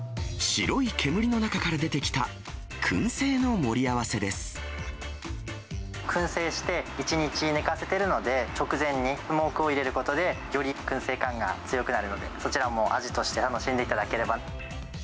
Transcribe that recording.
白い煙の中から出てきた、くん製して１日寝かせてるので、直前にスモークを入れることで、よりくん製感が強くなるので、そちらも味として楽しんでいただければ。